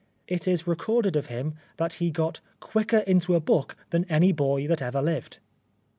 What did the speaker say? It is recorded of him that he got " quicker into a book than any boy that ever lived."